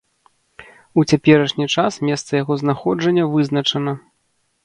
У цяперашні час месца яго знаходжання вызначана.